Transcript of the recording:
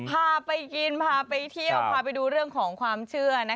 พาไปกินพาไปเที่ยวพาไปดูเรื่องของความเชื่อ